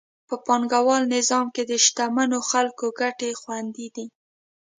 په پانګوال نظام کې د شتمنو خلکو ګټې خوندي دي.